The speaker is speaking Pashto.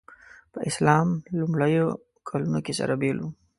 په اسلام لومړیو کلونو کې سره بېل وو.